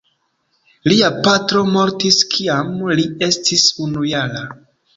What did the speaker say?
Lia patro mortis kiam li estis unujara.